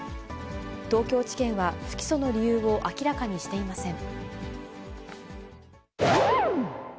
東京地検は不起訴の理由を明らかにしていません。